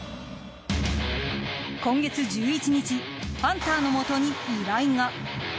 今月１１日ハンターのもとに依頼が。